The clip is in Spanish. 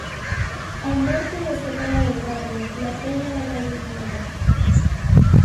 Al norte lo separa del barrio La Peña la calle Quinta.